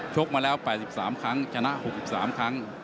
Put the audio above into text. กมาแล้ว๘๓ครั้งชนะ๖๓ครั้ง